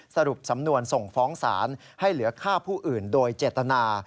สรุปสำนวนส่งฟ้องศาลให้เหลือฆ่าผู้อื่นโดยเจตนา